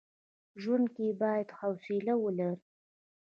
ژوند کي بايد حوصله ولري.